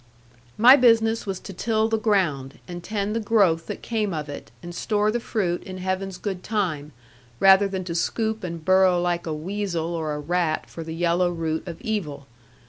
My business was to till the ground, and tend the growth that came of it, and store the fruit in Heaven's good time, rather than to scoop and burrow like a weasel or a rat for the yellow root of evil.